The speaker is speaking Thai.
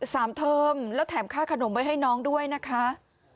เทอมแล้วแถมค่าขนมไว้ให้น้องด้วยนะคะ